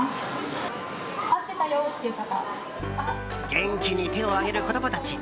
元気に手を挙げる子供たち。